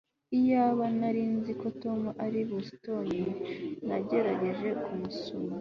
Iyaba nari nzi ko Tom ari i Boston nagerageje kumusura